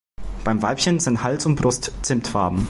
Beim Weibchen sind Hals und Brust zimtfarben.